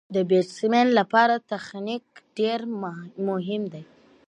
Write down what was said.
د بېټسمېن له پاره تخنیک ډېر مهم دئ.